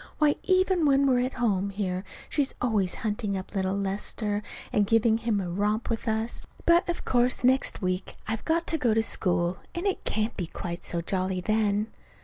Why, even when we're at home here, she's always hunting up little Lester and getting him to have a romp with us. But of course next week I've got to go to school, and it can't be quite so jolly then.